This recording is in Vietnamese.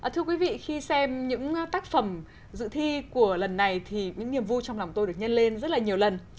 thưa quý vị khi xem những tác phẩm dự thi của lần này thì những niềm vui trong lòng tôi được nhân lên rất là nhiều lần